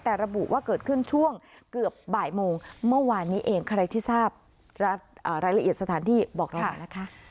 แต่ระบุว่าเกิดขึ้นช่วงเกือบบ่ายโมงเมื่อวานนี้เองใครที่ทราบรายละเอียดสถานที่บอกเราหน่อยนะคะ